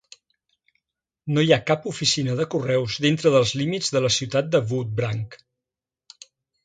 No hi ha cap oficina de correus dintre dels límits de la ciutat de Woodbranch.